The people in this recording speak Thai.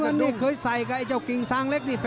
อันนี้เคยใส่กับไอ้เจ้ากิ่งซางเล็กนี่